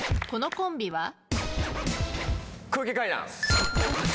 このコンビは？